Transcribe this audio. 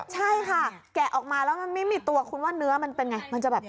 ใช่ค่ะแกะออกมาแล้วมันไม่มีตัวคุณว่าเนื้อมันเป็นไงมันจะแบบ